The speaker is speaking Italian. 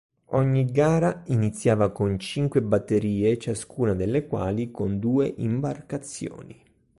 Ogni gara iniziava con cinque batterie, ciascuna delle quali con due imbarcazioni.